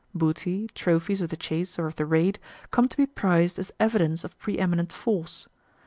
Booty, trophies of the chase or of the raid, come to be prized as evidence of pre eminent force.